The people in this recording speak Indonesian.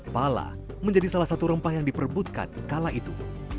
pala menjadi salah satu rempah yang diperbutkan kala itu